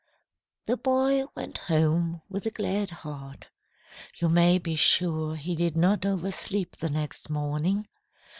"The boy went home with a glad heart. You may be sure he did not oversleep the next morning.